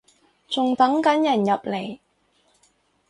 仲等緊人入嚟